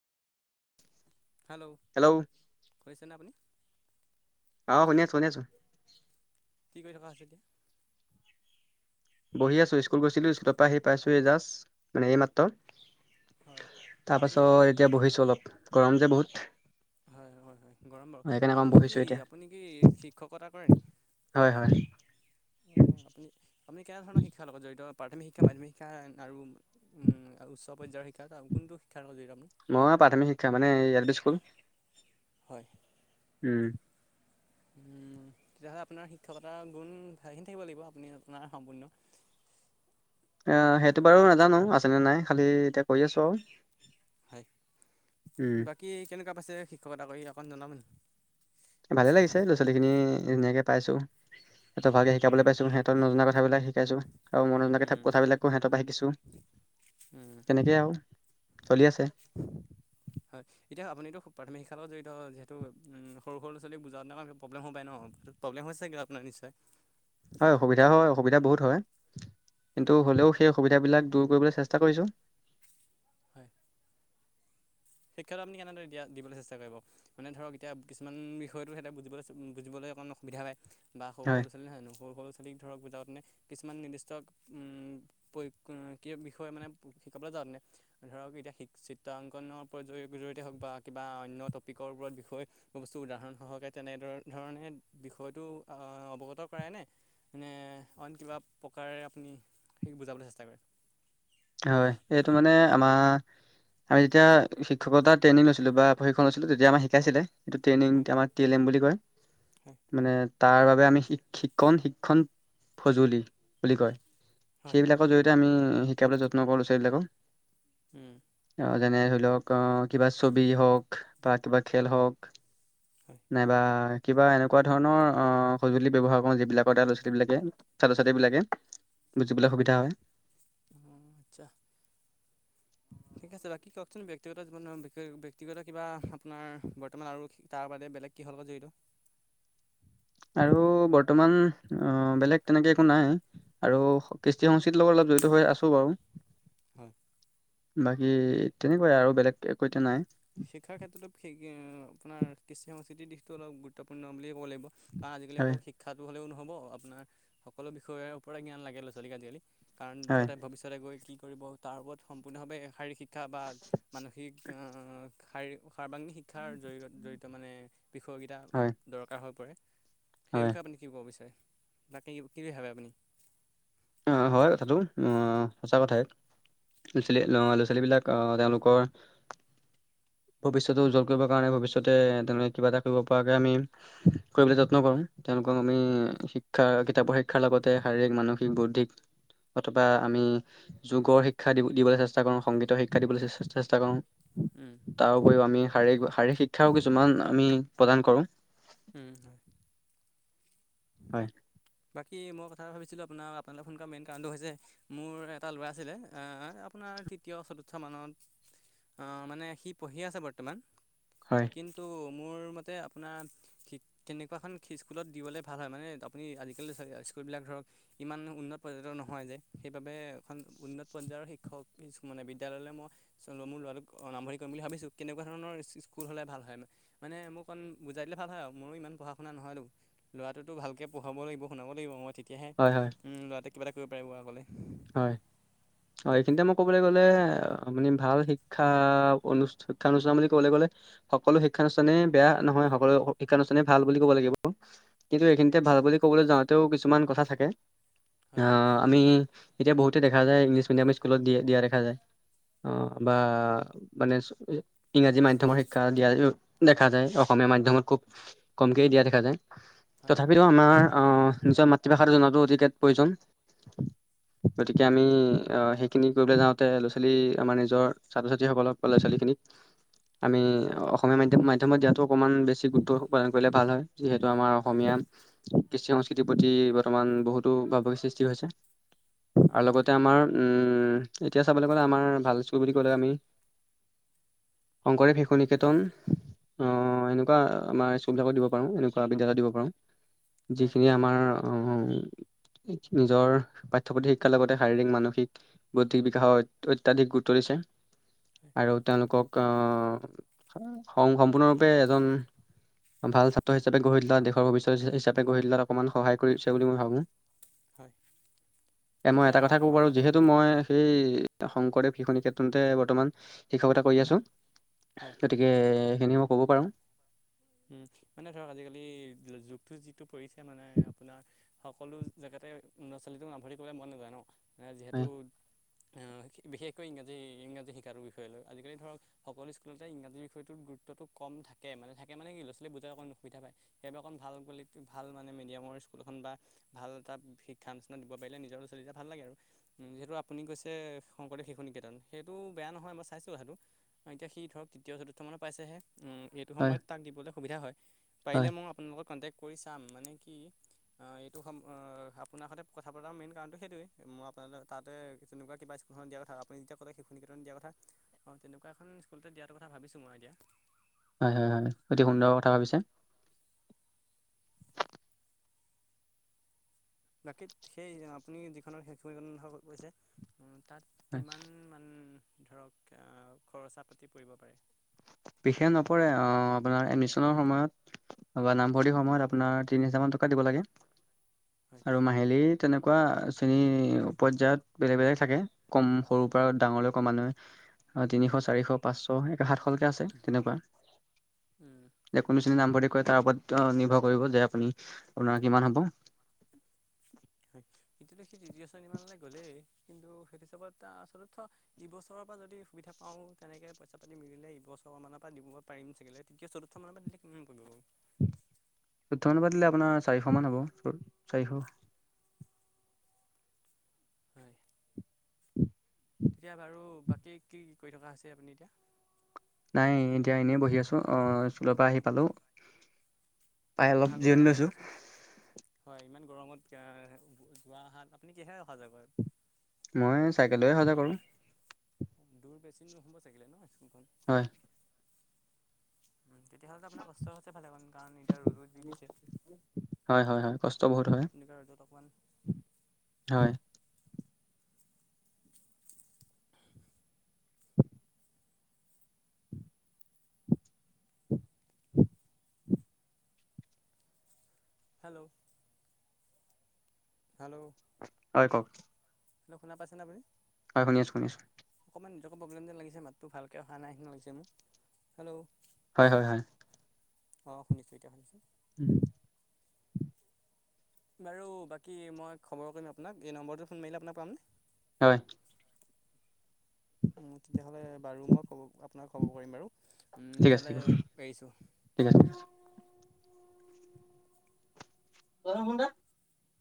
Hello. Hello. শুনিছেনে আপুনি। অ', শুনি আছো শুনি আছো। কি কৰি থকা হৈছে এতিয়া। বহি আছোঁ স্কুল গৈছিলো স্কুলৰ পৰা আহি পাইছোঁ এই জাষ্ট মানে এইমাত্ৰ। হয় আপুনি তাৰপাছত এতিয়া বহিছোঁ অলপ গৰম যে বহুত। হয় হয় হয় গৰম বাৰু সেইকাৰণে অকণ আপুনি বহিছো কি এতিয়া আপুনি কি শিক্ষকতা কৰে নি। হয় হয়। অঁ' আপুনি আপুনি কেনেধৰণৰ শিক্ষাৰ লগত জড়িত প্ৰাথমিক শিক্ষা মাধ্যমিক শিক্ষা আৰু উম উচ্চ পৰ্যায়ৰ শিক্ষা কোনটো শিক্ষাৰ লগত জড়িত আপুনি। মই প্ৰাথমিক শিক্ষা মানে এল পি স্কুল। হয়। উম। তেতিয়াহ'লে আপোনাৰ শিক্ষকতাৰ গুণ ভালেখিনি থাকিব লাগিব আপুনি আপোনাৰ সম্পূৰ্ণ। অ', সেইটো বাৰু নাজানো আছেনে নাই খালি এতিয়া কৰি আছো আৰু। হয় উম বাকী কেনেকুৱা পাইছে শিক্ষকতা কৰি অকণ জনাব নি। ভালে লাগিছে ল'ৰা ছোৱালী খিনি ধুনীয়াকে পাইছো। হেতঁক ভালকে শিকাব পাইছো হেঁতক নজনা কথাবিলাক শিকাইছো। আৰু মই নজনা কথাবিলাকো সিহঁতৰ পৰা শিকিছোঁ নি তেনেকেই আৰু চলি আছে। হয়। এতিয়া আপুনিতো প্ৰাথমিক শিক্ষাৰ লগত জড়িত যিহেতু সৰু সৰু ল'ৰা ছোৱালীক বুজাওঁতে প্ৰব্লেম'হব পাৰে ন। প্ৰব্লেম হৈছেগে আৰু আপোনাৰ নিশ্চয়। হয় অসুবিধা হয় অসুবিধা বহুত হয় কিন্তু হ'লেও সেই অসুবিধাবিলাক দূৰ কৰিবলৈ চেষ্টা কৰিছোঁ। হয় শিক্ষাটো আপুনি কেনেদৰে দিয়া দিবলৈ চেষ্টা কৰিব। মানে ধৰক এতিয়া কিছুমান বিষয়টো সিহঁতে বুজিবলৈ বুজিবলৈ অকণমান অসুবিধা পায়। বা সৰু হয় সৰু ল'ৰা ছোৱালী নহয় জানো সৰু সৰু ল'ৰা ছোৱালীক ধৰক বুজাওঁ তে কিছুমান নিৰ্দিষ্ট প্ৰয়োগ কিবা বিষয়ে মানে শিকাবলৈ যাওঁ তে। ধৰক এতিয়া চিত্ৰাংকনৰ জ জৰিয়তে হওক বা কিবা অন্য টপিকৰ ওপৰত বিষয়ে বস্তু উদাহৰণ সহকে তেনেদ ধৰণে বিষয়টো আহ অৱগত কৰাই নে। নে অইন কিবা প্ৰকাৰে আপুনি সেই বুজাবলৈ চেষ্টা কৰে। হয় এইটো মানে আমাৰ আমি যেতিয়া শিক্ষকতা ট্ৰেইনিং লৈছিলো বা প্ৰশিক্ষণ লৈছিলো তেতিয়া আমাক শিকাইছিলে। এইটো ট্ৰেইনিং হয় আমাৰ টি এল এম বুলি কয় হয় মানে তাৰ বাবে আমি শিক শিক্ষণ শিক্ষণ সজুলি বুলি কয়। হয় সেইবিলাকৰ জৰি়য়তে আমি শিকাবলৈ যত্ন কৰো ল'ৰা ছোৱালী বিলাকক। উম। আহ যেনে ধৰি লওক আহ কিবা ছবি হওক বা কিবা খেল হওক হয় নাইবা কিবা এনেকুৱা ধৰণৰ আহ সঁজুলি ব্যৱহাৰ কৰোঁ যিবিলাকৰ দ্বাৰা ল'ৰা ছোৱালী বিলাকে ছাত্ৰ ছাত্ৰী বিলাকে। বুজিবলৈ সুবিধা হয়। অ', আচ্ছা, উম। ঠিক আছে বাকি কওক চোন ব্যক্তিগত জীৱনৰ বিষয়ে ব্যক্তিগত কিবা আপোনাৰ বৰ্তমান আৰু তাৰ বাদে বেলেগ কিহৰ লগত জঢ়িত আৰু বৰ্তমান অ', বেলেগ তেনেকে একো নাই। আৰু কৃষ্টি সংস্কৃতিৰ লগত অলপ জড়িত হৈ আছো বাৰু। হয়। বাকী তেনেকুৱায় আৰু, বেলেগ একো এতিয়া নাই। শিক্ষাৰ ক্ষেত্ৰতো সেকে, আপোনাৰ কৃষ্টি সংস্কৃতিৰ দিশটো অলপ গুৰুত্বপূৰ্ণু বুলিয়ে ক'ব লাগিব। কাৰণ আজি কালি হয় অকল শিক শিক্ষাটো হ'লেও নহ'ব, আপোনাৰ সকলো বিষয়ৰ ওপৰতে জ্ঞান লাগে ল'ৰা, ছোৱালীক আজি কালি। কাৰণ হয় তেতে ভৱিষ্যতে গৈ কি কৰিব তাৰ ওপৰত সম্পূৰ্ণভাৱে শাৰীৰিক শিক্ষা বা, মানসিক শাৰীৰিক, সৰ্বাংগী শিক্ শিক্ষাৰ জড-জড়িত মানে বিষয়কিটা হয় দৰকাৰ হৈ পৰে, সেই হয় বিষয়ে আপুনি কি কব বিচাৰে, বাকি কি কি খালে আপুনি। অ', হয় কথাটো অ', সঁচা কথাই। ল'ৰা, ছোৱালী, ল'ৰা ছোৱালী বিলাক অ', তেওঁলোকৰ ভৱিষ্যত উজ্জ্বল কৰিব কাৰণে ভৱিষ্যতে তেনেকে কিবা এটা কৰিব পৰাকৈ আমি কৰিবলৈ যত্ন কৰো তেওঁলোকক আমি শিক্ষা কিতাপৰ শিক্ষাৰ লগতে শাৰীৰিক মানুহ বৌদ্ধিক, অথবা আমি যুগৰ শিক্ষা দি-দিবলৈ চেষ্টা কৰোঁ, সংগীতৰ শিক্ষা দিবলৈ চেষ্টা কৰোঁ। উম। তাৰো পৰিও আমি শাৰীৰিক, শাৰীৰিক শিক্ষাও কিছুমান আমি প্ৰদান কৰোঁ। উম হয় হয় বাকী মই কথা ভাবিছিলোঁ আপোনাৰ আপোনাক ফোন কৰা মেইন কাৰণটো হৈছে মোৰ এটা ল'ৰা আছিলে, এ আপোনাৰ তৃতীয় চতুৰ্থ মানত অ', মানে সি পঢ়ি আছে বৰ্তমান। হয়। কিন্তু মোৰ মতে আপোনাৰ, শি তেনেকুৱাখন স্কুলত দিবলৈ ভাল হয় মানে আপুনি আজি একেল চাগে স্কুল বিলাক ধৰক ইমান উন্নত পৰ্যায়ৰ নহয় যে, সেইবাবে এখন উন্নত পৰ্যায়ৰ শিক্ষক মানে বিদ্যালয়লৈ মই মোৰ ল'ৰাটোক নামভৰ্তি কৰিম বুলি ভাবিছো কেনেকুৱা ধৰণৰ স্কুল হ'লে ভাল হয়। মানে মোক অকণ বুজাই দিলে ভাল হয় আৰু, মোৰো ইমান পঢ়া শুনা নহ'লো, ল'ৰাটোতো ভালকৈ পঢ়াব লাগিব। শুনাব লাগিব মই তেতিয়াহে, হয় হয় হ'ম ল'ৰটোৱে কিবা এটা কৰিব পাৰিব আগলৈ। হয়। অ', এইখিনিতে মই ক'বলৈ গ'লে, আপুনি ভাল শিক্ষা অনু-অনুষ্ঠান বুলি ক'বলৈ গ'লে সকলো শিক্ষানুষ্ঠানে বেয়া নহয় সকলো শিক্ষানুষ্ঠানে ভাল বুলি কব লাগিব। কিন্তু এইখিনিতে ভাল বুলি ক'বলৈ যাওঁতেও কিছুমান কথা থাকে, আহ হয় আমি এতিয়া বহুতে দেখা যায় ইংলিছ মিডিয়াম স্কুলত দিয়-দিয়া দেখা যায়, অ', বা মানে ইংৰাজী মাধ্যমৰ শিক্ষা দিয়াটো দেখা যায় অসমীয়া মাধ্যমতে খুব কমকে দিয়া দেখা যায়, হয় তথাপিটো আমাৰ অ', নিজৰ মাতৃভাষা জনাটো অতিকে প্ৰয়োজন। গতিকে আমি অ', সেইখিনি কৰিবলৈ যাওঁতে ল'ছালী আমাৰ নিজৰ ছাত্ৰ, ছাত্ৰী সকলক বা ল'ছালী খিনিক [inaudible] আমি অসমীয়া মাধ্যম-মাধ্যমত দিয়াতো অকনমান বেছি গুৰুত্ব উৎপাদন কৰিলে ভাল হয়। যিহেতু আমাৰ হয় অসমীয়া, কৃষ্টি সংস্কৃতিৰ প্ৰতি বৰ্তমান বহুতো ভাবভুগী সৃষ্টি হৈছে। আৰু উম, লগতে আমাৰ উম, এতিয়া চাবলে গ'লে আমাৰ ভাল স্কুল বুলি ক'লে আমি শংকৰদেৱ শিশু নিকেটন অ', এনেকুৱা আমাৰ স্কুল বিলাকত দিব পাৰোঁ। এনেকুৱা বিদ্যালয় দিব পাৰোঁ। হয় যিখিনি আমাৰ উম, নিজৰ পা পাঠ্য পুথিৰ শিক্ষাৰ লগতে শাৰীৰিক, মানসিক বৌদ্ধিক বিকাশৰ অত্যাধিক গুৰুত্ব দিছে। হয় আৰু তেওঁলোকক অ', সম- সম্পূৰ্ণৰূপে এজন ভাল ছাত্ৰ হিচাপে গঢ়ি তোলা, দেশৰ ভবিষ্যত হিচাপে গঢ়ি তোলাত অকমান সহায় কৰিছে বুলি মই ভাবোঁ। হয়। এ মই তেতিয়া এটা কথা ক'ব কাম পাৰোঁ এটা কৰিম যিহেতু মই এই শংকৰদেৱ শিশু নিকেতনতে বৰ্তমান শিক্ষকতা কৰি আছোঁ। হয় গতিকে এনেও ক'ব পাৰোঁ। উম, মানে ধৰক আজিকালি যুগটো যিটো পৰিছে মানে আপোনাৰ সকলো জেগাতে লৰা ছোৱালীটো [unintelligible] মন নাযায় ন। মানে যিহেতু হয় অ', বিশেষকৈ ইংৰাজী, ইংৰাজী শিকাৰ বিষয় লৈ। আজিকালি ধৰক সকলো স্কুলতে ইংৰাজী বিষয়তোৰ গুৰুত্বটো কম থাকে। মানে থাক মানে কি ল'ছালী বুজাৰ অকমাণ অসুবিধা পায়। সেইবাবে অকণ ভাল বুলি ভাল মানে মিডিয়ামৰ স্কুল এখন বা ভাল এটাত শিক্ষানুষ্ঠান দিব পাৰিলে নিজৰ ল'ছালী কেইটা ভাল লাগে আৰু। উম, যিহেতু আপুনি কৈছে শংকৰদেৱ শিশু নিকেতন, সেইটোও বেয়া নহয় মই চাইছোঁ কথাটো। অ', এতিয়া সি ধৰক তৃতীয় চতুৰ্থ মানত পাইছেহে। উম, এই টো হয় সময়ত তাক দিবলৈ সুবিধা হয়। হয় পাৰিলে মই আপোনাৰ লগত কণ্টেক্ট কৰি চাম, মানে কি অ', এইটো সম আপোনাৰ সৈতে কথা পতাৰ মেইন কাৰণটো সেইটোৱেই। মই আপোনাল তাতে তেনেকুৱা কিবা স্কু অ', দিয়াৰ কথা আপুনি যেতিয়া ক'লে শিশুনিকেতন দিয়া কথাঁ, অ', তেনেকুৱা এখন স্কুলতে দিয়াটো কথা ভাবিছোঁ মই এতিয়া। হয়, হয়, হয়। অতি সুন্দৰ কথা ভাবিছে। বাকী সেই আপুনি যিখনৰ শিশু নিকেতন কথা কৈছে, অ', তাত হয়, কিমান কিমান ধৰক আ, খৰচা পাতি পৰিব পাৰে। বিশেষ নপৰে অ', আপোনাৰ এডমিশনৰ সময়ত তাপা নামভৰ্তিয় সময়ত আপোনাৰ তিনি হাজাৰ মান টকা দিব লাগে। হয় আৰু মাহিলী তেনেকুৱা শ্ৰেণী পৰ্যায়ত বেলেগ, বেলেগ থাকে। কম সৰুৰ পৰা ডাঙৰলৈ ক্ৰমান্বয়ে অ', তিনিশ, হয় চাৰিশ, পাঁচশ একে সাতশলেকে আছে, তেনেকুৱা। হয় যে কোনটো শ্ৰেণীত নামভৰ্তি কৰে তাৰ ওপৰত নিৰ্ভৰ কৰিব যে, আপুনি আপোনাৰ কিমান হ'ব। হয়, এতিয়াটো সেই তৃতীয় শ্ৰেণীমানলে গ'লেই, কিন্তু সেইটো হিচাপত তা চতুৰ্থ ইবছৰৰ পৰা যদি সুবিধা পাওঁ, তেনেকে পইচা পাতি মিলিলে ইবছৰ মানৰ পৰা দিবগ পাৰিম চাগেলে। তৃতীয়, চতুৰ্থ মানপা দিলে কিমান পৰিব বাৰু? চতুৰ্থ মানপা দিলে আপোনাৰ চাৰিশ মান হ'ব, চাৰিশ হয়। তেতিয়া বাৰু, বাকী কি কৰি থকা হৈছে আপুনি এতিয়া? নাই এতিয়া এনেই বহি আছোঁ অ', স্কুলৰ পৰা আহি পালোঁ। পাই অলপ ভাগৰ জিৰণি লাগে লৈছোঁ। দিয়কচোন হয়, ইমান গৰমত অ', যোৱা অহাত, আপুনি কিহেৰে অহা যোৱা কৰে? মই চাইকেল লৈয়ে অহা যোৱা কৰোঁ। দূৰ বেছি নহ'ব চাগিলে ন স্কুলখন। হয়। উম' তেতিয়াহ'লে আপোনাৰ কষ্ট হৈছে ভালে মান, কাৰণ এতিয়া ৰ'দো দি দিছে। হয়' হয়' হয়' কষ্ট বহুত হয়। এনেকুৱা ৰ'দত অকণমান [unintelligible] [unintelligible] হেল্লো'? হেল্লো'? হয়' কওঁক? হেল্লো' শুনা পাইছেনে আপুনি? হয়' শুনি আছো, শুনি আছো। অকণমান নেটৱাৰ্কৰ প্ৰব্লেম যেন লাগিছে মাতটো ভালকে অহা নাই নিচিনা লাগিছে মোৰ। হেল্ল'? হয়' হয়' হয়'। অ' শুনিছো এতিয়া শুনিছোঁ। [unintelligible] বাৰু বাকী মই খবৰ কৰিম আপোনাক, এই নম্বৰটোত ফোন মাৰিলে আপোনাক পামনে? হয়। উম' তেতিয়াহ'লে বাৰু মই খবৰ আপোনাক খবৰ কৰিম বাৰু। ঠিক আছে, এতিয়ালৈ ঠিক আছে, এৰিছোঁ ঠিক আছে। [unintelligible] হুন্দা